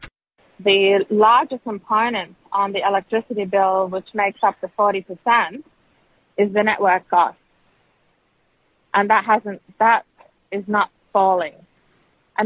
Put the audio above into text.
jujurlah keuangan dari jaringan dan investasi yang harus dilakukan jaringan